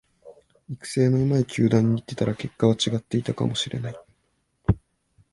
育成の上手い球団に行ってたら結果は違っていたかもしれない